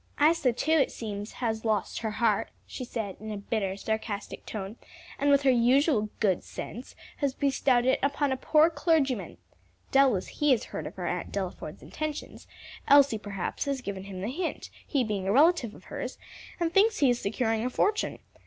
"Isa, too, it seems, has lost her heart," she said in a bitter, sarcastic tone; "and with her usual good sense, has bestowed it upon a poor clergyman. Doubtless he has heard of her Aunt Delaford's intentions Elsie perhaps has given him the hint, he being a relative of hers and thinks he is securing a fortune.